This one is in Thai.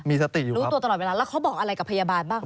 มีสติอยู่ครับแล้วเขาบอกอะไรกับพยาบาลบ้าง